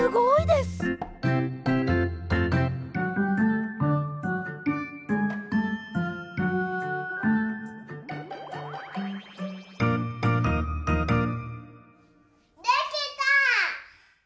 できた！